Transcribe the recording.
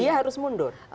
dia harus mundur